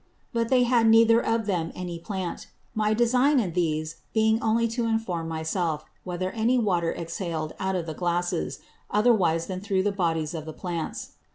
But they had neither of them any Plant; my Design in these being only to inform my self, whether any Water exhaled out of the Glasses, otherwise than thorow the Bodies of the Plants.